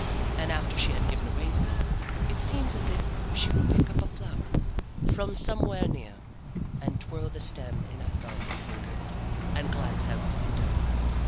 And after she had given away the book, it seems as if she would pick up a flower from somewhere near, and twirl the stem in her thumb and finger, and glance out the window.